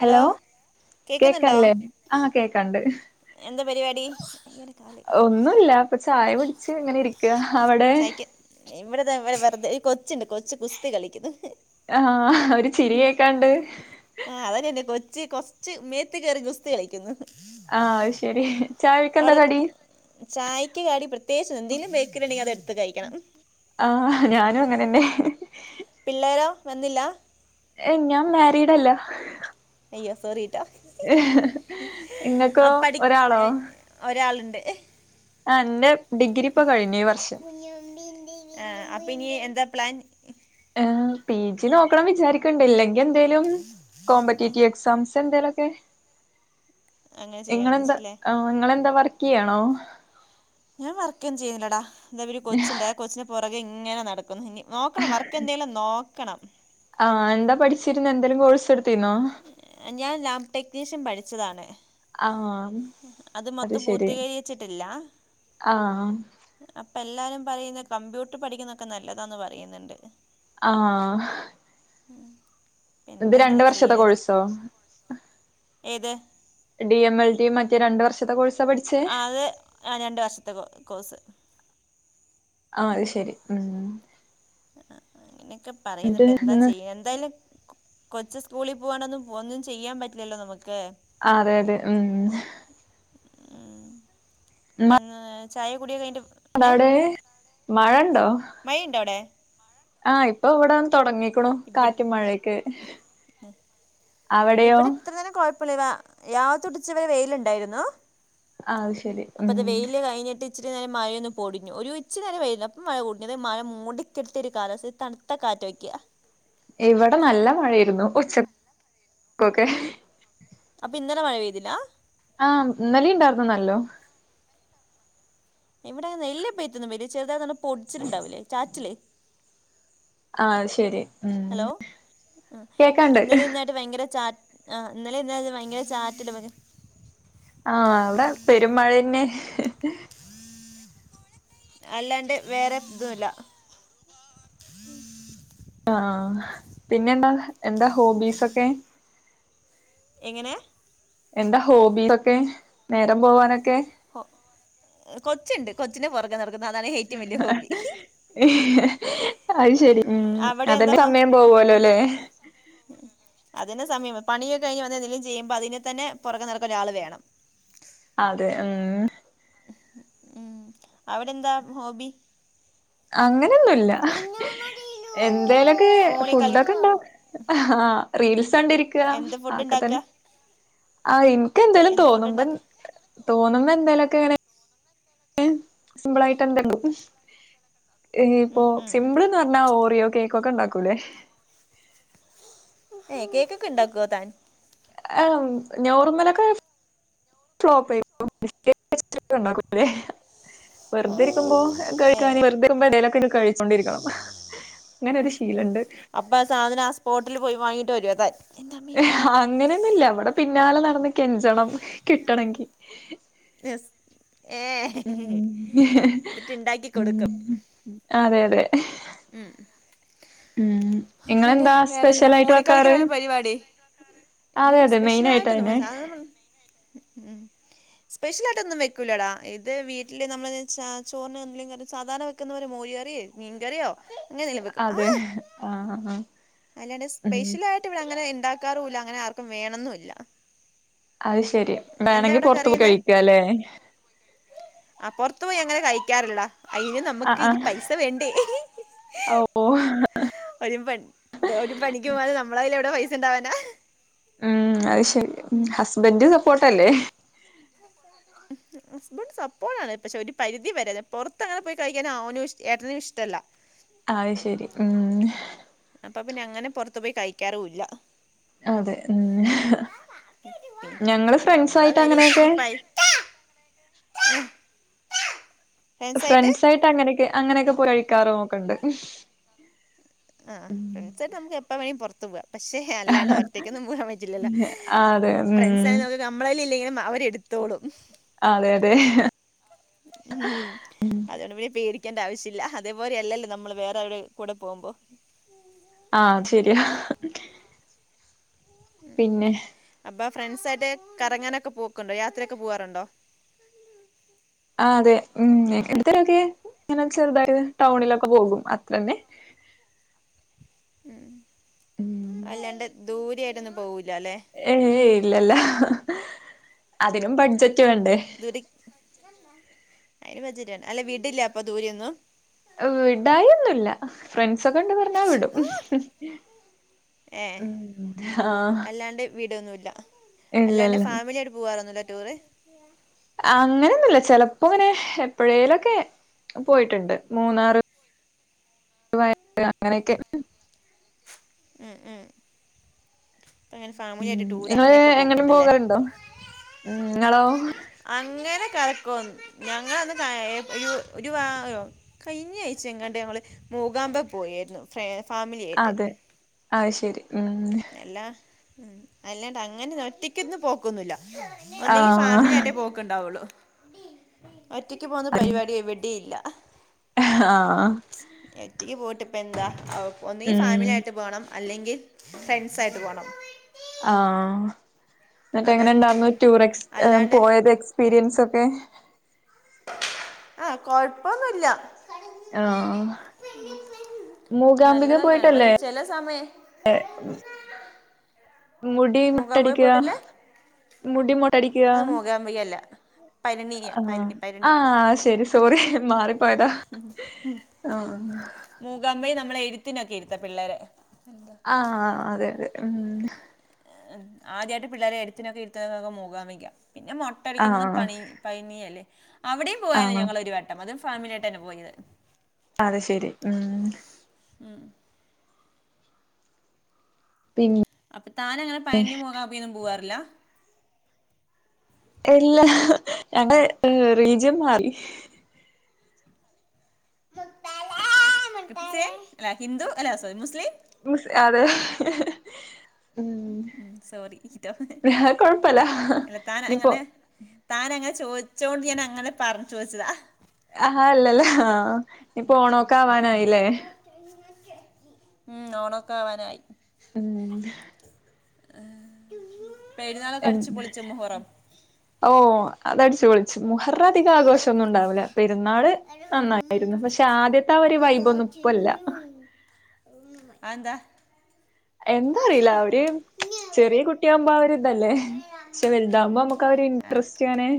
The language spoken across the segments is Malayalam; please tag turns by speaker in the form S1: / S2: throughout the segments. S1: ഹലോ..
S2: കേൾക്കുന്നുണ്ടോ
S1: കേക്കല്ലേ? ആഹ് കേക്കണ്ട്
S2: എന്താ പരിപാടി?
S1: ഒന്നുല്ല ഇപ്പൊ ചായ കുടിച്ച് ഇങ്ങനെ ഇരിക്ക അവിടെ?
S2: ഇവിടെതാ ഇവിടെ വെറുതെ ഈ കൊച്ചുണ്ട് കൊച്ച് ഗുസ്തി കളിക്കുന്നു
S1: ആഹ് ഒരു ചിരി കേക്കാണ്ട്
S2: ആ അതങ്ങനെ കൊച്ച കൊച്ച് മേത്ത് കയറി ഗുസ്തി കളിക്കുന്നു
S1: ആഹ അത് ശെരി ചായഴക്ക് എന്താ കടി
S2: ചായ്ക്ക് കടി പ്രത്യേകിച്ച് എന്തെങ്കലും ബേക്കറി ഉണ്ടെങ്കിൽ അത എടുത്ത് കഴിക്കണം
S1: ആഹ ഞാനും അങ്ങനെന്നെ
S2: പിള്ളേരോ വന്നില്ല
S1: ഏ ഞാൻ മാരീഡല്ല
S2: അയ്യോ സോറി കേട്ടോ
S1: ഇങ്ങക്കൊ
S2: ആ, പഠി
S1: ഒരാളോ
S2: ഏ, ഒരാളുണ്ട്
S1: ആ എന്റെ ഡിഗ്രി ഇപ്പൊ കഴിഞ്ഞു ഈ വർഷം
S2: ആ അപ്പൊ ഇനി എന്താ പ്ലാൻ
S1: പി ജി നോക്കണം വിചാരിക്കണ്ടില്ലെങ്ക എന്തേലും കോമ്പറ്റേറ്റീവ് എക്സാംസ് എന്തേലും ഒക്കെ
S2: അങ്ങനെ ചെയ്യാമെന്ന്
S1: ഇങ്ങളെന്താ
S2: വെച്ചില്ലേ
S1: ഇങ്ങളെന്താ വർക്ക് ചെയ്യണോ
S2: ഞാൻ വർക്കൊന്നും ചെയ്യുന്നില്ലേടാ എന്താ ഒരു കൊച്ചുണ്ട് കൊച്ചിന് പുറകെ ഇങ്ങനെ നടക്കുന്നു ഇനി നോക്കണം വർക്ക് എന്തെങ്കിലും നോക്കണം
S1: ആഹ എന്താ പഠിച്ചിരുന്നെ എന്തേങ്കിലും കോഴ്സ് എടുത്തിരുന്നോ
S2: ഞാൻ ലാമ്പ് ടെക്നീഷ്യൻ പഠിച്ചതാണ്
S1: ആഹ
S2: അത് മൊത്തം പൂർത്തീകരിച്ചിട്ടില്ല
S1: ആഹ്
S2: അപ്പൊ എല്ലാരും പറയുന്ന കമ്പ്യൂട്ടർ പഠിക്കുന്നൊക്കെ നല്ലതാന്ന് പറയുന്നുണ്ട്
S1: ആ
S2: ഉ എന്താ
S1: രണ്ട്
S2: ഇങ്ങനെ
S1: വർഷത്തെ
S2: ചെയ്യണത്
S1: കോഴ്സോ
S2: ഏത്
S1: ഡി എം എൽ ടി മറ്റേ രണ്ടു വർഷത്തെ കോഴ്സ്
S2: അത് ആ രണ്ട് വർഷത്തെ കോഴ്സ്
S1: ആ അത് ശരി ഉം
S2: ഇനൊക്കെ പറയുന്ന
S1: എന്നിട്ട്
S2: ഇപ്പ എന്താ
S1: ഇന്ന്
S2: ചെയ്യ എന്തായാലും കൊച്ച് സ്കൂളിൽ പോകണൊന്നും ഒന്നും ചെയ്യാൻ പറ്റില്ലല്ലോ നമുക്ക്
S1: ആ അതെ അതെ ഉം
S2: ഉം പി ചായ കൂടിയൊക്കെ അയിന്റെ
S1: അടവിടെ മഴ ഉണ്ടോ
S2: മൈ ഉണ്ട അവിടെ
S1: ആഹ് ഇപ്പൊ ഇവിടൊന്ന് തുടങ്ങിക്ക്‌ണു
S2: ഇവി
S1: കാറ്റും മഴേക്കെ
S2: ഇവിടെ ഇത്ര നേരം കുഴപ്പില്ല രാവിലെത്തൊട്ട് ഇച്ചിരെ വെയിലുണ്ടായിരുന്നു
S1: ആഹ് അത് ശരി
S2: അപ്പൊ
S1: ഉം
S2: ഇത് വെയില് കഴിഞ്ഞിട്ട് ഇച്ചരി നേരം മഴയൊന്ന് പൊടിഞ്ഞു. ഒരു ഇചിരി നേരേം വെയിലേർന്നു അപ്പ മഴ പൊടിഞ്ഞു. അത് മഴ മൂടിക്കെട്ടിയ ഒരു കാലാവസ്ഥണ ത കാറ്റോയ്ക്ക
S1: ഇവിടെ നല്ല മഴായിരുന്നു ഉച്ചക്കൊക്കെ
S2: അപ്പൊ ഇന്നലെ മഴ പെയ്തില്ലാ
S1: ആഹ ഇന്നലിംണ്ടായിരുന്നു നല്ലോ
S2: ഇവിടെ വെല്യ പെയ്ത്ത് ഒന്നും പെയ്തില്ല. ചെറുതായി പൊടിച്ചിലുണ്ടാവില്ലേ ചാറ്റിലേ
S1: ആഹ് ശരി ഉം
S2: ഹലോ ഇന്നലെ
S1: കേക്കാണ്ട്
S2: ഈ നേ ഭയങ്കര ചാറ്റ് ആ ഇന്നലെ ഇന്നേരത്ത് ഭയങ്കര ചാറ്റൽ
S1: ആഹ അവിടെ പെരുമഴെന്നെ [unintelligible]
S2: അല്ലാണ്ട് വേറെ ഇതുമല്ല
S1: ആഹ് പിന്നെന്താ എന്താ ഹോബീസ് ഒക്കെ
S2: എങ്ങനെ
S1: എന്താ ഹോബീസ് ഒക്കെ നേരം പോവാനൊക്കെ
S2: കൊച്ചുണ്ട് കൊച്ചിന്റെ പുറകെ നട
S1: അഹ് ഹി ഹി അത് ശരി ഉം.
S2: അവിടെ എന്താ
S1: അതെനെ സമയം
S2: ഉം
S1: പോവോലോലെ.
S2: അതിന് സമയം പണിയൊക്കെ കഴിഞ്ഞ് വന്ന് എന്തെങ്കിലും ചെയ്യുമ്പോ അതിന്റെ തന്നെ പുറകെ നടക്കാൻ ഒരാൾ വേണം.
S1: അതെ ഉം
S2: ഉം അവിടെ എന്താ ഹോബി
S1: അങ്ങനെയൊന്നുല്ല എന്തേലൊക്കെ
S2: ഫോണിൽ കളി
S1: ഫുഡൊക്കെ ഇണ്ടാക്കും ആഹ് റീൽസ് കണ്ടിരി- ക്ക
S2: എന്ത് ഫുഡ്
S1: അതൊക്കെ തന്നെ
S2: ഉണ്ടാക്കുക
S1: ആ എനിക്ക് എന്തേലും
S2: എന്ത് ഫുഡ്
S1: തോന്നുമ്പം
S2: ഉണ്ടാക്കുക
S1: തോന്നുമ്പോ എന്തേലൊക്കങ്ങനെ. സിമ്പിളായിട്ട് എന്തെങ്കും ഈ ഇപ്പോ
S2: ഉം ഉം
S1: സിമ്പിൾ എന്ത്‌ ആ പറഞ്ഞാ ഓറിയോ കേകൊക്കെ ഇണ്ടാക്കൂലേ.
S2: ഏ കേകൊക്കെ ഇണ്ടാക്കുവോ താൻ
S1: ആ നോർമലൊക്കെ ഫ്ലോപ്പ് ആയിപ്പോ വും. [unintelligible] വെറുതെ ഇരിക്കുമ്പോ
S2: ഏ
S1: കഴിക്കാൻ വെറുതെ ഇരിക്കുമ്പോ എന്തേലൊക്കെ കഴിച്ചോണ്ടിരിക്കണം. അങ്ങനൊരു ശീലണ്ട്.
S2: അപ്പ ആ സാധനം ആ സ്പോട്ടിൽ പോയി വാങ്ങിയിട്ട് വരുമോ താൻ
S1: അങ്ങനെയൊന്നുല്ല ഇവിടെ പിന്നാലെ നടന്ന് കെഞ്ചണം കിട്ടണെങ്കി-
S2: യെസ് ഏ എന്നിട്ട് ഇണ്ടാക്കി കൊടുക്കും
S1: അതെ അതെ
S2: ഉം
S1: ഉം
S2: ഹ പിന്നെ
S1: ഇങ്ങളെന്താ
S2: വേറെന്താ
S1: സ്പെഷ്യൽ ആയിട്ട്
S2: ഫോണിൽ
S1: വെക്കാറ്
S2: കളിക്കലെന്നെ പരിപാടി
S1: അതെ
S2: ഞാൻ
S1: അതെ മെയിൻ ആയിട്ട്
S2: സ്പെഷ്യലായിട്ടൊന്നും
S1: അതെന്നെ
S2: പോയി സാധാരണ സ്പെഷ്യൽ ആയിട്ടൊന്നും വെക്കൂലടാ ഇത് വീട്ടില് നമ്മള് സാധാ ചോറിന് എന്തെങ്കിലും സാധാരണ വെക്കുന്ന ഒരു മോര്കറിയോ മീങ്കറിയോ
S1: അതെ ആ അഹ
S2: അല്ലാണ്ട് സ്പെഷ്യൽ ആയിട്ട് ഇവിടെ അങ്ങനെ ഇണ്ടാക്കാറുല്ല അങ്ങനെ ആർക്കും വേണന്നുല്ല
S1: അത് ശെരി വേണെങ്കി പൊറത്തു പോയി കഴിക്കാല്ലെ
S2: ആ പൊറത്തു പോയി അങ്ങനെ കഴിക്കാറില്ലടാ അയിന് നമുക്ക് ഈ
S1: ആഹ്
S2: പൈസ വേണ്ടേ
S1: ആഹ് ഓ
S2: ഒരു ഒരു പണിക്കും പോവാതെ നമ്മളെ കയ്യി ലെവിടെ പൈസ ഇണ്ടാവാനാ
S1: ഉം അത് ശരി ഹസ്ബൻഡ് സപ്പോർട്ടല്ലേ
S2: ഹസ്ബൻസ് സപ്പോട്ടാണ് പക്ഷെ ഒരു പരിധി വരെ പുറത്തങ്ങനെ പോയി കഴിക്കാനവനും ഏട്ടനും ഇഷ്ടമല്ല
S1: അത് ശരി ഉം
S2: അപ്പൊ പിന്നെ അങ്ങനെ പുറത്തു പോയി കഴിക്കാറുല്ല
S1: അതെ ഉം ഞങ്ങള്
S2: നമ്മളെ
S1: ഫ്രണ്ട്സായിട്ട്
S2: കയ്യിൽ
S1: അങ്ങനെയൊക്കെ
S2: ഇച്ചിരി പൈ [unintelligible]
S1: ഫ്രണ്ട്സായിട്ട് അങ്ങനെയൊക്കെ അങ്ങനെയൊക്കെ പോയി കഴിക്കാറും ഒക്കെണ്ട്
S2: ആ ഫ്രണ്ട്സായിട്ട് നമുക്ക് എപ്പൊവേണേലും പുറത്ത് പോവാം പക്ഷേ അല്ലാണ്ട് ഒറ്റക്കൊന്നും പോകാൻ പറ്റില്ലല്ലോ
S1: അതെ
S2: ഫ്രണ്ട്സ്
S1: ഉം
S2: ആയാൽ നമ്മളേൽ ഇല്ലെങ്കിലും അവരെ ടുത്തോളും
S1: അതെ അതെ
S2: ഉം അതുകൊണ്ട് പിന്നെ പേടിക്കണ്ട ആവശ്യല്ല അതേപോലെയല്ലല്ലോ നമ്മള് വേറെ ആരുടേയും കൂടെ പോകുമ്പോ
S1: ആ അത് ശരിയാ പിന്നെ
S2: അപ്പോ ഫ്രണ്ട്സായിട്ട് കറങ്ങാനൊക്കെ പോക്കുണ്ടോ യാത്രയൊക്കെ പോവാറുണ്ടോ
S1: ആ അതെ ഉം എടക്കൊക്കെ ഇങ്ങനെ ചെറുതായിട്ട് ടൗണിലൊക്കെ പോകും അത്ര തന്നെ
S2: ഉം അല്ലാണ്ട് ദൂരെയായിട്ടൊന്നും പോവൂലല്ലെ
S1: ഏ ഇല്ലല്ല അതിനും ബഡ്ജറ്റ് വേണ്ടേ
S2: [inaudible] അയി പചാണ് അല്ലെ വിടില്ലേ അപ്പൊ ദൂരെയൊന്നും
S1: വിടായൊന്നൂല്ല ഫ്രണ്ട്സൊക്കെ ണ്ട് പറഞ്ഞാ വിടും.
S2: ഏ
S1: ഉം ആഹ്
S2: അല്ലാണ്ട് വിടൊന്നുമില്ല അല്ലാണ്ട്
S1: ഇല്ലല്ല
S2: ഫാമിലി ആയിട്ട് പോകാറൊന്നുമില്ലേ ടൂറ്
S1: അങ്ങനെയൊന്നൂല്ല ചെലപ്പോ ങ്ങനെ എപ്പോഴേലൊക്കെ പോയിട്ടുണ്ട് മൂന്നാറ് വയ അങ്ങനെക്കെ.
S2: ഉം ഉം അപ്പ അങ്ങനെ ഫാമിലിയിട്ട് ടൂർ
S1: നിങ്ങള്
S2: അങ്ങനെയൊക്കെ
S1: എങ്ങട്ടും
S2: പോക്ക്ണ്ടല്ലേ
S1: പോകാറുണ്ടോ ഉം നിങ്ങളോ
S2: അങ്ങനെ കറക്കൊന്ന് ഞങ്ങന്ന് ഒരു വായൊ കഴിഞ്ഞ ആഴ്ച എങ്ങാണ്ട് ഞങ്ങള് മൂകാമ്പ പോയിരുന്നു ഫ ഫാമിലിയായിട്ട്
S1: അതു ശരി ഉം
S2: അല്ല അല്ലാണ്ട് അങ്ങനെ ഒറ്റക്കൊന്നും പോക്കൊന്നൂല്ല്യ ഒന്നെങ്കി ഫാമിലി
S1: ആഹ്
S2: ആയിട്ടേ പോ ക്ക്ണ്ടാവൊള്ളൂ ഒറ്റയ്ക്ക് പോവുന്ന പരിപാടി എവിടെം ഇല്ല
S1: ആ ആ
S2: ഒറ്റയ്ക്ക് പോയിട്ട് ഇപ്പ എന്താ ഒന്നങ്കിൽ
S1: ഉം
S2: ഫാമിലി ആയിട്ട് പോകണം അല്ലെങ്കിൽ ഫ്രണ്ട്സ് ആയിട്ട് പോണം
S1: ആ എന്നിട്ട്
S2: അതെ
S1: എങ്ങനെ ണ്ടായിരുന്നു ടൂർ എക്സ്
S2: അല്ലാണ്ട്
S1: പോയത് എക്സ് എക്സ്പീരിയൻസ് ഒക്കെ
S2: ആ കുഴപ്പൊന്നുല്ല്യ
S1: ആഹ മൂകാംബിക പോയിട്ടല്ലേ
S2: ചെല സമയ്
S1: [inaudible] മുടി
S2: മൂകാംബിക
S1: മൊട്ടയടിക്ക
S2: പോയിട്ടല്ലേ
S1: മുടി മൊട്ടയടിക്കുക
S2: അത് മൂകാംബിക അല്ല പഴനി പഴനി
S1: ആ ആ
S2: പഴനി
S1: ശരി സോറി മാറിപ്പോയതാ ആഹ്
S2: മൂകാംമ്പയി നമ്മള് എഴുത്തിനൊക്കെ ഇരുത്ത പിള്ളേരെ
S1: ആ അതെ അതെ ഉം
S2: ആദ്യമായിട്ട് പിള്ളേരെ എഴുത്തിനൊക്കെ ഇരുത്തണതൊക്കെ മൂകാംബിക പിന്നെ മൊട്ടടിക്കണ
S1: ആഹ്
S2: പണി പഴനി അല്ലേ അവിടെ പോയാണ്
S1: ആഹ്
S2: ഞങ്ങളൊരു വട്ടം അതും ഫാമിലി ആയിട്ടാണ് പോയത്.
S1: അത് ശെരി ഉം
S2: ഉം
S1: പിന്നെ
S2: അപ്പൊ താന് അങ്ങനെ പഴനി മൂകാംബികൊന്നും പോവാറില്ല
S1: ഇല്ലാ ഞങ്ങള്
S2: അല്ല
S1: റീജിയൻ മാറി
S2: അല്ല ഹിന്ദു അല്ല സോറി മുസ്ലിം
S1: അതെ
S2: ഉം സോറി
S1: അത് കൊഴപ്പല്ല
S2: അല്ല തൻ
S1: ഇനിപ്പോ
S2: അങ്ങനെ താന് അങ്ങനെ ചോദിച്ചോണ്ട് ഞാൻ അങ്ങനെ പറഞ് ചോദിച്ചതാ
S1: ആ അല്ലല്ല ആ ഇപ്പൊ ഓണോക്കെ ആവാനായില്ലേ
S2: ഉം ഓണൊക്കെ ആവാനായി
S1: ഉം
S2: ഏ
S1: എഹ് ഓഹ് അതടിച്ചുപൊളി മുഹറഅധികആഘോഷൊന്നും ഉണ്ടവൂല. പെരുന്നാള് നന്നായിയിരുന്നു. പക്ഷെ ആദ്യത്തെ ആ ഒരുവൈബൊന്നും ഇപ്പൊ ല്ല
S2: അതെന്താ
S1: എന്താ അറിയില്ല അവര് ചെറിയ കുട്ടിയാകുമ്പോ അവര് ഇതല്ലേ പക്ഷെ വലുതാകുമ്പോ നമുക്ക് അവര്
S2: അത്
S1: ഇൻട്രസ്റ്റ് അങ്ങനെ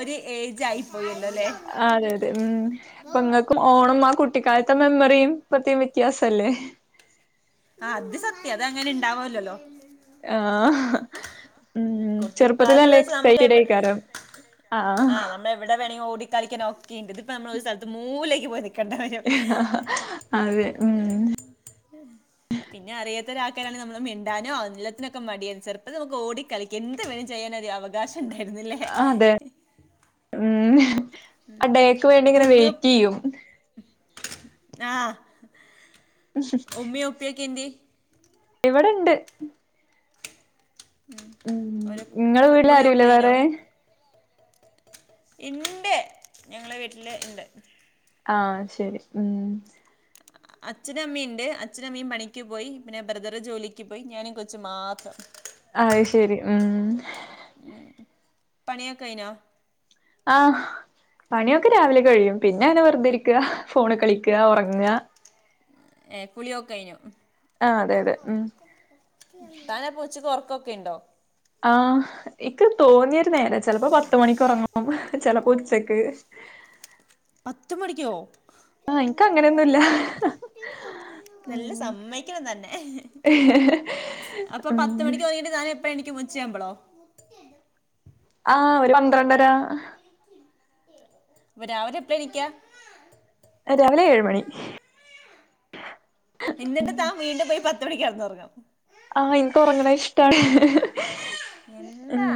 S2: ഒരു ഏജ് ആയി പോയല്ലോ അല്ലേ
S1: അതെ അതെ ഉം ഇപ്പൊ ങ്ങക്കും ഓണം ആ കുട്ടിക്കാലത്തെ മെമ്മറിയും ഇപ്പത്തേം വ്യത്യാസല്ലേ
S2: ആഅത് സത്യാ അതങ്ങനെ ഇണ്ടാവൊലല്ലോ.
S1: ആഹ് ഉം
S2: കുട്ടിക്കാലത്ത്
S1: ചെറുപ്പത്തിലല്ലെ
S2: വെച്ചാൽ നമുക്ക് എവ-
S1: എക്സൈറ്റഡൈയിക്കാരം ആഹ്.
S2: എവിടെവേണേ ഓടിക്കളിക്കാനൊക്കെണ്ട്. ത് ഇപ്പോ നമ്മള്ഒരു സ്ഥൽത്ത് മൂലേക്ക്പോയി നിക്കേണ്ടവരും
S1: അതെ ഉം
S2: പിന്നെഅറിയാത്തോരാആക്കാരാണ് നമ്മള്മിണ്ടാനോ, എല്ലത്തിനൊക്കെമടിയ ചെറുപ്പത്ത്നമുക്ക്ഓടികളി എന്ത് വേണിംചെയ്യാൻ ഒരു അവകാശംണ്ടായിരുന്നുലെ?
S1: അതെ ഉം ആഡേക്ക് വേണ്ടിങ്ങനെ വെയിറ്റെയ്യും.
S2: ആഹ് ഉമ്മീഉപ്പിയൊക്കെന്ത്യെ?
S1: ഇവിടെണ്ട്. ഉം
S2: ഒരു ഫ- കുളിയൊക്കെ കഴിഞ്ഞോ
S1: ഇങ്ങളവീട്ല്ആരുല്ലേവേറെ?
S2: ഇണ്ട് ഞങ്ങളെവീട്ടില് ഇണ്ട്.
S1: ആഹ് ശരി ഉം.
S2: അച്ഛനും അമ്മീംണ്ട്, അച്ഛനും മ്മീം പണിക്ക്പോയി. പിന്നെ ബ്രദറ്ജോലിക്ക്പോയി, ഞാനും കൊച്ചും മാത്രം
S1: അയ്ശെരി ഉം.
S2: ഉം പണിയൊക്കെകയിഞ്ഞോ?
S1: ആഹ് പണിയൊക്കെരാവിലെകഴിയും. പിന്നെങ്ങന വെറുതിരിക്കാ, ഫോണ്കളിക്ക, ഒറങ്ങ.
S2: ഏഹ് കുളിയോക്കെകഴിഞ്ഞു.
S1: ആഹ്, അതെ, അതെ, ഉം
S2: താനഅപ്പൊച്ച്ക്ക് ഒറക്കക്കെണ്ടോ?
S1: ആഹ്, ഇക്ക് തോന്നിയരുനേരം ചിൽപ്പോ പത്ത്മണിക്ക് ഒറങ്ങും ചിലപ്പോ ഉച്ചക്ക്
S2: പത്ത്മണിക്കോ?
S1: ആഹ്, എനിക്ക് അങ്ങനെയൊന്നുല്ല ഉം
S2: നല്ലസമ്മയിക്കണംതന്നെ.
S1: ഉം
S2: അപ്പൊപത്ത്മണിക്ക് ഒരങ്ങിട്ട്താനേപ്പൊഴേണീക്കും ഉച്ചയാമ്പളോ?
S1: ആഹ്, ഒരുപന്ത്രണ്ടരാ
S2: ഇപ്പ രാവിലെ എപ്പെണീക്കാ?
S1: രാവിലെ ഏഴ് മണി.
S2: ഇന്നിട്ട് താൻ വീണ്ടുംപോയി [unintelligible]
S1: ആഹ് എനിക്ക്ഒറങ്ങണഇഷ്ട
S2: എന്താ?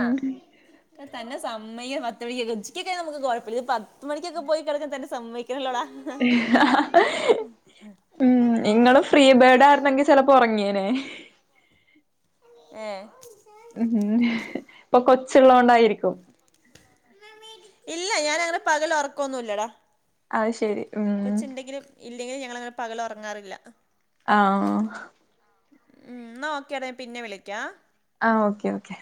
S2: തന്നസമ്മയം പത്ത്മണിക്കൊക്കെ ഉച്ച്ക്ക്ക്കെനമുക്ക് കൊഴപ്പല്ല ഇത് പത്ത്മണിക്കക്കെപൊയി കെടക്കതന്നെ സമ്മയിക്കണല്ലോടാ.
S1: നിങ്ങളും ഫ്രീബേഡ് ആയിരുന്നെങ്കി ചിലപ്പോ ഒറങ്ങിയനെ
S2: ഏഹ്
S1: ഉം, ഇപ്പൊ കൊച്ചുള്ളൊണ്ടായിരിക്കും
S2: ഇല്ല. ഞാനങ്ങനെപകലൊറൊക്കൊന്നുല്ലടാ.
S1: അത് ശരി ഉം
S2: കൊച്ച്ണ്ടെങ്കിലും ഇല്ലെലുംഞങ്ങളങ്ങനെ പകലൊറങ്ങാറില്ല.
S1: ആഹ്
S2: ഉം ന്നാഓക്കെടാപിന്നെവിളിക്കാം.
S1: ആ ഓക്കെ, ഓക്കെ.